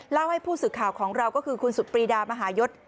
ให้ผู้สื่อข่าวของเราก็คือคุณสุดปรีดามหายศ